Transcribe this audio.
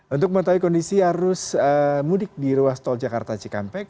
untuk mengetahui kondisi arus mudik di ruas tol jakarta cikampek